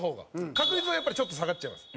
確率は、やっぱりちょっと下がっちゃいます。